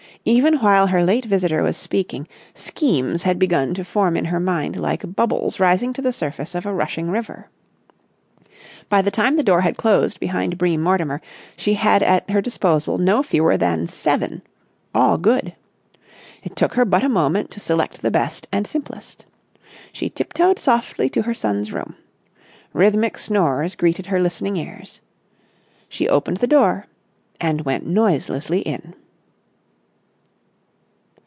Even while her late visitor was speaking, schemes had begun to form in her mind like bubbles rising to the surface of a rushing river. By the time the door had closed behind Bream Mortimer she had at her disposal no fewer than seven, all good. It took her but a moment to select the best and simplest. She tiptoed softly to her son's room. Rhythmic snores greeted her listening ears. She opened the door and went noiselessly in.